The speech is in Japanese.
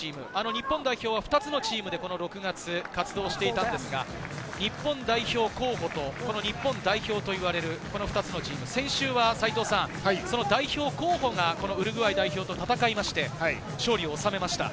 日本代表は２つのチームで６月、活動していたんですが日本代表候補と日本代表といわれるこの２つのチーム、先週は代表候補がウルグアイ代表と戦いまして、勝利を収めました。